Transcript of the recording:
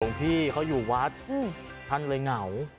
พี่เขาอยู่วัดท่านเลยเหงา